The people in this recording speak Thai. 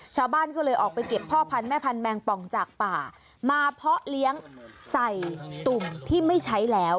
ชาวบ้านก็เลยออกไปเก็บพ่อพันธุแม่พันธแมงป่องจากป่ามาเพาะเลี้ยงใส่ตุ่มที่ไม่ใช้แล้ว